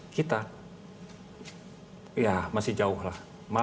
kita ya masih jauh lah